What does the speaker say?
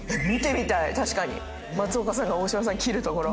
松岡さんが大島さん斬るところ。